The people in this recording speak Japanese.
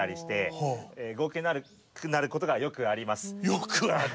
よくある？